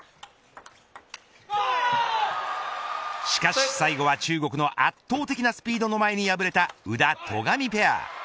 しかし最後は中国の圧倒的なスピードの前に敗れた宇田、戸上ペア。